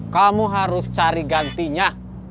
kamu harus cari gantinya